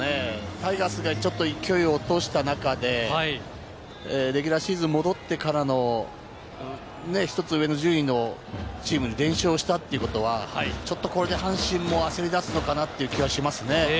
タイガースがちょっと勢いを落とした中で、レギュラーシーズン戻ってからの１つ上の順位のチームに連勝したということは、ちょっとこれで阪神も焦りだすのかなという気がしますよね。